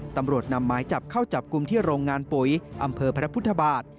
ตำรวจนำหมายจับเข้าจับกลุ่มที่โรงงานปุ๋ยอำเภอพระพุทธบาท